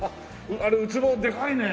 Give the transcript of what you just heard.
あれウツボでかいねえ。